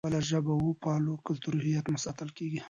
موږ خپله ژبه وپالو، کلتوري هویت مو ساتل کېږي.